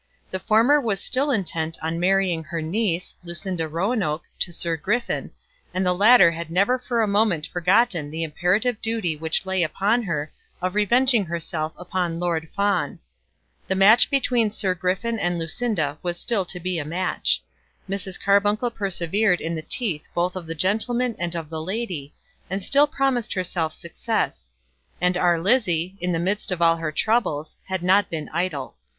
The former was still intent on marrying her niece, Lucinda Roanoke, to Sir Griffin, and the latter had never for a moment forgotten the imperative duty which lay upon her of revenging herself upon Lord Fawn. The match between Sir Griffin and Lucinda was still to be a match. Mrs. Carbuncle persevered in the teeth both of the gentleman and of the lady, and still promised herself success. And our Lizzie, in the midst of all her troubles, had not been idle.